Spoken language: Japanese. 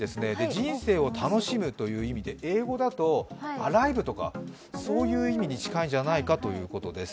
人生を楽しむということで英語だとアライブとか、そういう意味に近いんじゃないかということです。